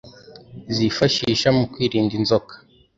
zifashisha mu kwirinda inzoka